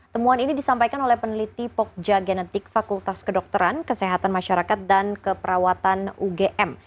temuan ini disampaikan oleh peneliti pokja genetik fakultas kedokteran kesehatan masyarakat dan keperawatan ugm